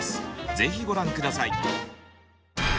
ぜひご覧下さい。